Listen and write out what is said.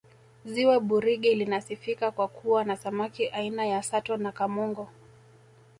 ziwa burigi linasifika kwa kuwa na samaki aina ya sato na kamongo